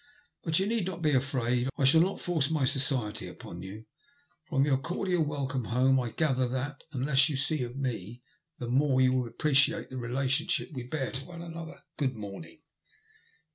But you need not be afraid, I shall not force my society upon you. From your cordial welcome home, I gather that, the less you see of me the more you will appreciate the relationship we bear to one another. Good morning."